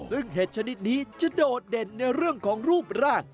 ซึ่งเห็ดชนิดนี้จะโดดเด่นในเรื่องของรูปราก